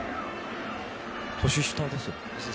年下です。